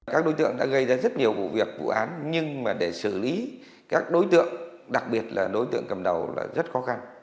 các đối tượng đã gây ra rất nhiều vụ việc vụ án nhưng mà để xử lý các đối tượng đặc biệt là đối tượng cầm đầu là rất khó khăn